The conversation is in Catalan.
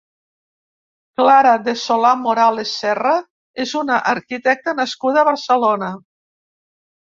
Clara de Solà-Morales Serra és una arquitecta nascuda a Barcelona.